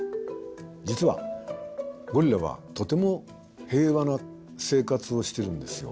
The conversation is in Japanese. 実はゴリラはとても平和な生活をしてるんですよ。